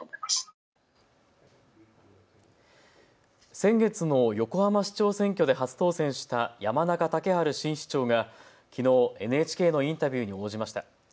先月の横浜市長選挙で初当選した山中竹春新市長がきのう、ＮＨＫのインタビューに応じました。